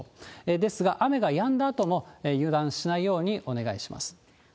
ですが、雨がやんだあとも油断しないようにお願いします。